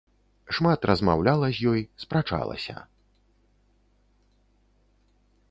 Шмат размаўляла з ёй, спрачалася.